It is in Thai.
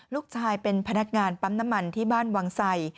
ลูกชายเป็นพนักงานปั๊มน้ำมันที่บ้านวังไส